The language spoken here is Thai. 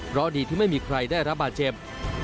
เพราะดีที่ไม่มีใครได้รับบาดเจ็บ